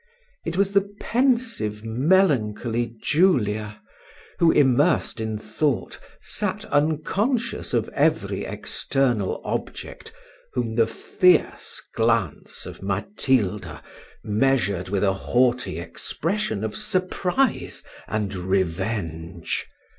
It was the pensive, melancholy Julia, who, immersed in thought, sat unconscious of every external object, whom the fierce glance of Matilda measured with a haughty expression of surprise and revenge.